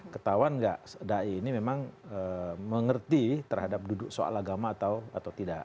ketahuan nggak dai ini memang mengerti terhadap duduk soal agama atau tidak